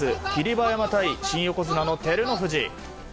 馬山対新横綱の照ノ富士。